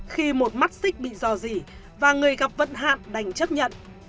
khi một mắt xích bị dò dỉ và người gặp vận hạn đành chấp nhận